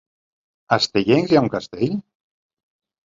A Estellencs hi ha un castell?